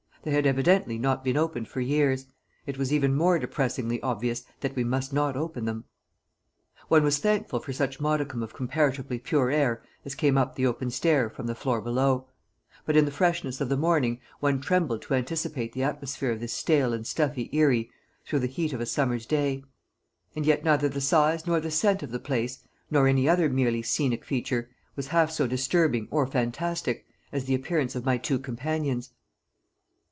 They had evidently not been opened for years; it was even more depressingly obvious that we must not open them. One was thankful for such modicum of comparatively pure air as came up the open stair from the floor below; but in the freshness of the morning one trembled to anticipate the atmosphere of this stale and stuffy eyrie through the heat of a summer's day. And yet neither the size nor the scent of the place, nor any other merely scenic feature, was half so disturbing or fantastic as the appearance of my two companions.